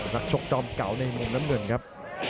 นักจกจอมเก่าในมุมนั้นเหมือนครับ